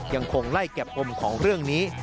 ยังคงไล่เก็บปมของเรื่องนี้